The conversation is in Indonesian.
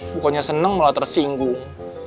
bukannya seneng malah tersinggung